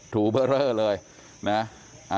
ถูเบอร์เลยนะ